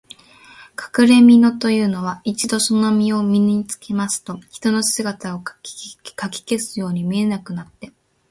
かくれみのというのは、一度そのみのを身につけますと、人の姿がかき消すように見えなくなって、